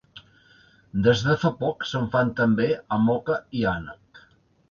Des de fa poc se'n fan també amb oca i ànec.